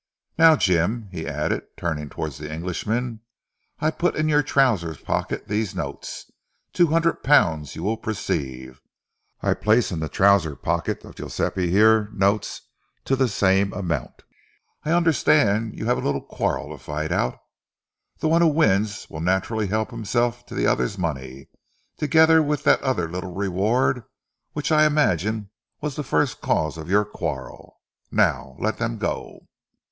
Now, Jim," he added, turning towards the Englishman, "I put in your trousers pocket these notes, two hundred pounds, you will perceive. I place in the trousers pocket of Guiseppe here notes to the same amount. I understand you have a little quarrel to fight out. The one who wins will naturally help himself to the other's money, together with that other little reward which I imagine was the first cause of your quarrel. Now... let them go."